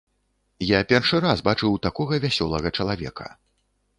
Я першы раз бачыў такога вясёлага чалавека.